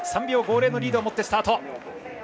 ３秒５０のリードを持ってスタート。